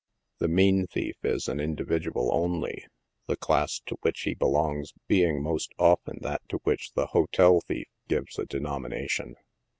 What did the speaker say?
The <; mean thief" is an in dividual only, the class to which he belongs being most often that to which the " hotel thief" gives a denomination.